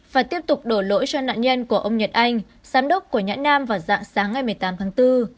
và tiếp tục đổ lỗi cho nạn nhân của ông nhật anh giám đốc của nhã nam vào dạng sáng ngày một mươi tám tháng bốn